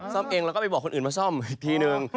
ซ่อมเองแล้วก็ไปบอกคนอื่นมาซ่อมอีกทีนึง